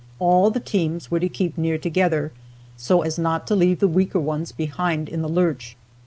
All the teams were to keep near together, so as not to leave the weaker ones behind in the lurch.